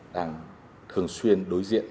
đang thường xuyên đối diện